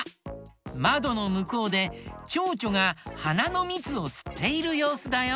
まどのむこうでちょうちょがはなのみつをすっているようすだよ。